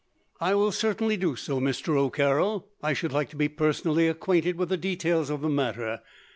"I will certainly do so, Mr. O'Carroll. I should like to be personally acquainted with the details of the matter.